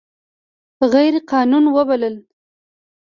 غیر قانوني وبلله.